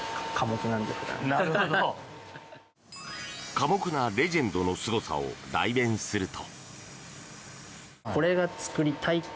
寡黙なレジェンドのすごさを代弁すると。